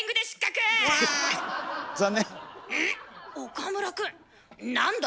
岡村君何だ？